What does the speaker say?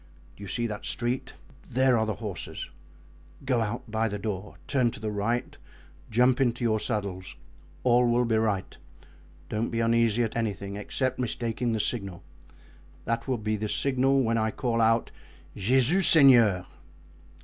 "Do you see that street? There are the horses. Go out by the door, turn to the right, jump into your saddles, all will be right; don't be uneasy at anything except mistaking the signal. That will be the signal when I call out—Jesus Seigneur!"